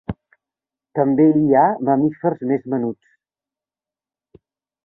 També hi ha mamífers més menuts.